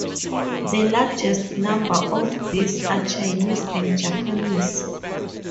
The largest number of these are Chinese and Japanese.